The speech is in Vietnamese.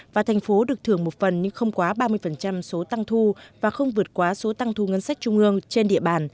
và thành phố được thưởng một phần nhưng không quá ba mươi số tăng thu và không vượt quá số tăng thu ngân sách trung ương trên địa bàn